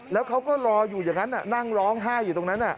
แล้วเขาก็รออยู่อย่างนั้นนั่งร้องไห้อยู่ตรงนั้น